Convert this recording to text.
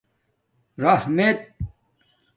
رحمت